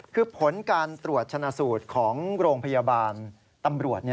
คือผลการตรวจชนะสูตรของโรงพยาบาลตำรวจ